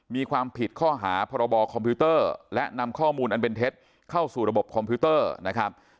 มีความผิดข้อหาพรบคอมพิวเตอร์และนำข้อมูลอันเป็นเท็จเข้าสู่ระบบคอมพิวเตอร์นะครับ